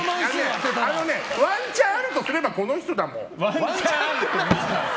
ワンチャンあるとすればこの人だもん。